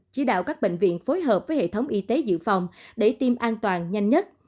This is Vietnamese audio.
chỉ đạo các bệnh viện phối hợp với hệ thống y tế dự phòng để tiêm an toàn nhanh nhất